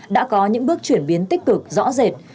đã có những bước chuyển biến tích cực rõ rệt